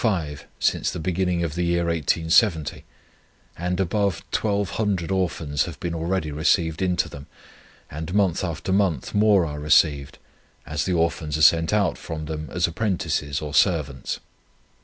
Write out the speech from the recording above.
5 since the beginning of the year 1870, and above 1,200 Orphans have been already received into them, and month after month more are received, as the Orphans are sent out from them as apprentices or servants.